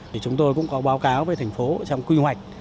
thì chúng tôi cũng có báo cáo với thành phố trong quy hoạch